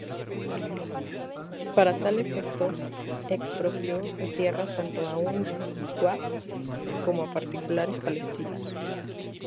Para tal efecto, expropió tierras tanto a un waqf como a particulares palestinos.